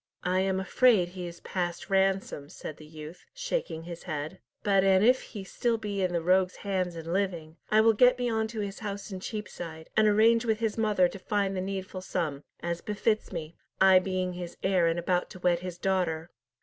"I am afraid he is past ransom," said the youth, shaking his head. "But an if he be still in the rogues' hands and living, I will get me on to his house in Cheapside, and arrange with his mother to find the needful sum, as befits me, I being his heir and about to wed his daughter.